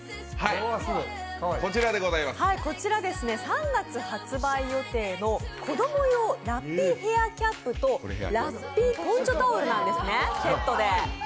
３月発売予定の子ども用ラッピーヘアキャップとラッピーポンチョタオルなんですね、セットで。